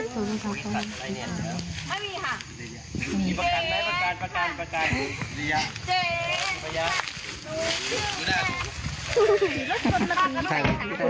คุณอยากดังใช่ไหมคะ